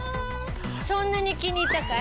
そんなに気に入ったかい？